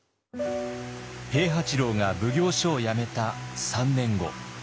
平八郎が奉行所を辞めた３年後。